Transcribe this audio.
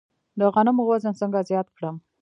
د غنمو وزن څنګه زیات کړم؟